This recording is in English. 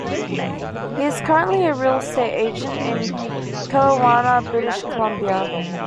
He is currently a real estate agent in Kelowna, British Columbia.